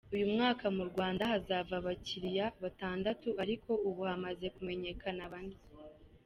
Uyu mwaka mu Rwanda hazava abakiriya batandatu ariko ubu hamaze kumenyekana bane.